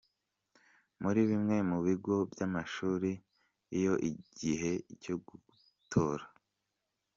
Muri bimwe mu bigo byamashuri, iyo igihe cyo gutora.